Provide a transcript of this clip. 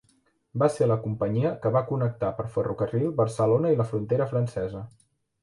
Va ser la companyia que va connectar per ferrocarril Barcelona i la Frontera Francesa.